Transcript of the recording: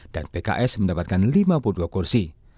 dan pks mendapatkan lima puluh dua kursi